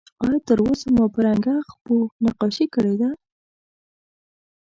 آیا تر اوسه مو په رنګه خپو نقاشي کړې ده؟